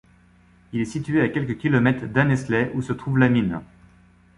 Il est situé à quelques kilomètres d'Annesley, où se trouve la mine.